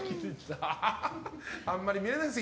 あんまり見れないです